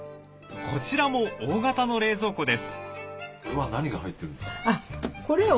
こちらも大型の冷蔵庫です。